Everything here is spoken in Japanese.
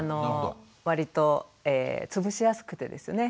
わりとつぶしやすくてですね